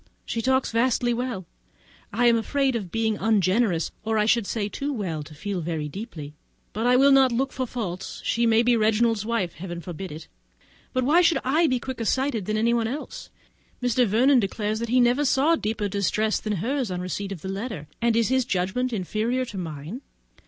She talks vastly well; I am afraid of being ungenerous, or I should say, too well to feel so very deeply; but I will not look for her faults; she may be Reginald's wife! Heaven forbid it! but why should I be quicker sighted than anyone else? Mr. Vernon declares that he never saw deeper distress than hers, on the receipt of the letter; and is his judgment inferior to mine?